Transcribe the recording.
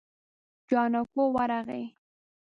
جانکو ورغی.